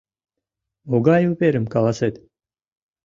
Могай уверым каласет?